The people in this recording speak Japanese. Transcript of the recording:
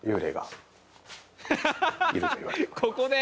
ここで？